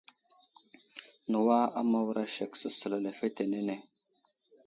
Newa a Mawra sek səsəla lefetenene.